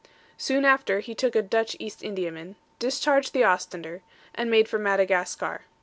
Soon after he took a Dutch East Indiaman, discharged the Ostender, and made for Madagascar.